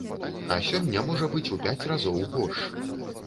А сёння можа быць у пяць разоў горш.